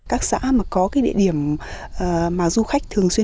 các xã mà có cái địa điểm mà du khách thường xuyên